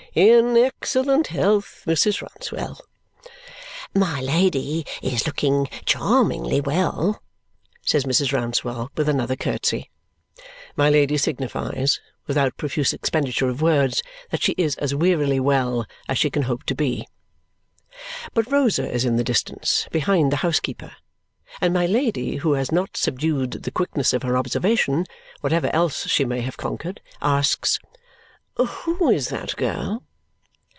"In excellent health, Mrs. Rouncewell." "My Lady is looking charmingly well," says Mrs. Rouncewell with another curtsy. My Lady signifies, without profuse expenditure of words, that she is as wearily well as she can hope to be. But Rosa is in the distance, behind the housekeeper; and my Lady, who has not subdued the quickness of her observation, whatever else she may have conquered, asks, "Who is that girl?"